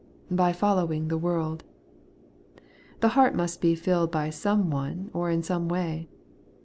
By following the world. The heart must be filled by some one or in some way.